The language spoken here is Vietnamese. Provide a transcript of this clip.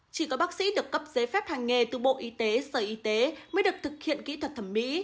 chỉ có bác sĩ được cấp giấy phép hành nghề từ bộ y tế sở y tế mới được thực hiện kỹ thuật thẩm mỹ